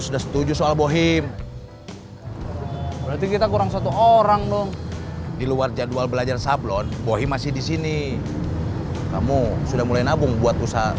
sampai jumpa di video selanjutnya